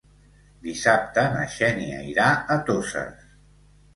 Dissabte na Xènia irà a Toses.